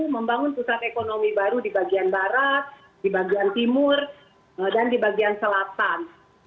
membangun pusat ekonomi baru di bagian barat di bagian timur dan di bagian selatan